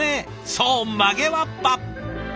そう曲げわっぱ！